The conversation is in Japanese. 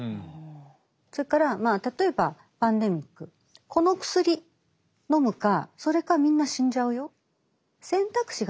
それからまあ例えばパンデミックこの薬のむかそれかみんな死んじゃうよ。